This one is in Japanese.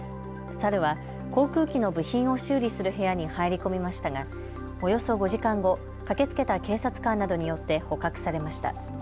サルは航空機の部品を修理する部屋に入り込みましたがおよそ５時間後、駆けつけた警察官などによって捕獲されました。